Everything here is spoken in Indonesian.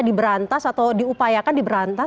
diberantas atau diupayakan diberantas